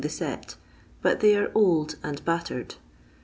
the set, but they are old and battered.